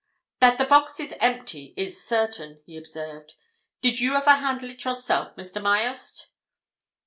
"That the box is empty is certain," he observed. "Did you ever handle it yourself, Mr. Myerst?"